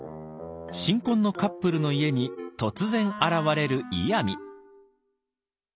新婚のカップルの家に突然現れるイヤミ。